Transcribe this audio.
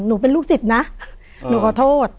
หนูเป็นลูกศิษย์นะหนูขอโทษ